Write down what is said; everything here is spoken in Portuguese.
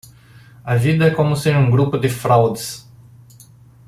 A vida é como ser um grupo de fraudes